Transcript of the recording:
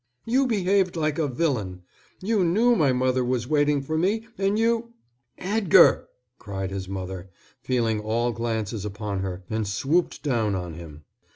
You behaved like a villain. You knew my mother was waiting for me, and you " "Edgar!" cried his mother, feeling all glances upon her, and swooped down on him.